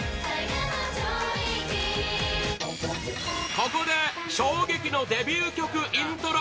ここで衝撃のデビュー曲イントロ